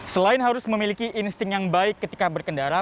selain harus memiliki insting yang baik ketika berkendara